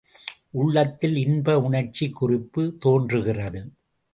உள்ளத்தில் இன்ப உணர்ச்சிக் குறிப்பு தோன்றுகிறது.